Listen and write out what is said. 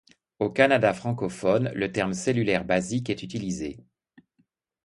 Au Canada francophone, le terme cellulaire basique est utilisé.